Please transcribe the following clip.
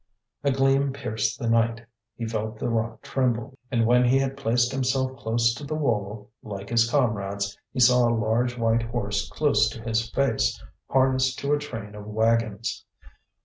A gleam pierced the night, he felt the rock tremble, and when he had placed himself close to the wall, like his comrades, he saw a large white horse close to his face, harnessed to a train of wagons.